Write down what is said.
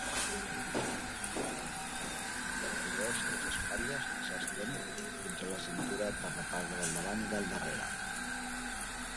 Cobreix les espatlles i s'estén fins a la cintura per la part del davant i del darrere.